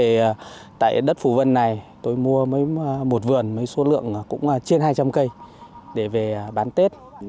thì tại đất phù vân này tôi mua một vườn với số lượng cũng trên hai trăm linh cây để về bán tết